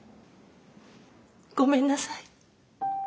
ごめんなさい。